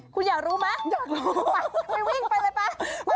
คุณอยากรู้มั้ยไปวิ่งไปเลยไปค่ะวู้